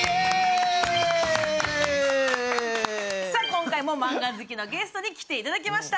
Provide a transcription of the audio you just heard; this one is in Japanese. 今回も漫画好きのゲストに来ていただきました。